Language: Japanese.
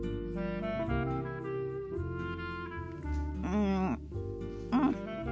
うんうん。